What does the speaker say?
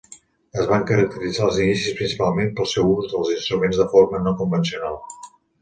Es van caracteritzar als inicis principalment pel seu ús dels instruments de forma no convencional.